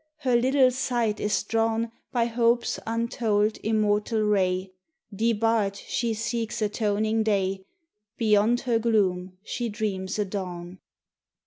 her little sight is drawn By Hope's untold, immortal ray; Debarred, she seeks atoning day; Beyond her gloom she dreams a dawn.